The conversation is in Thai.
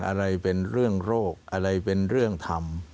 อะไรเป็นเรื่องโรคอะไรเป็นเรื่องธรรม